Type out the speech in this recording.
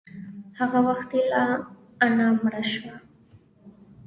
هغه وختي لا انا مړه شوه.